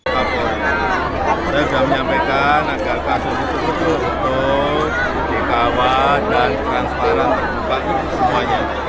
saya sudah menyampaikan agar kasus itu betul betul dikawal dan transparan terbuka semuanya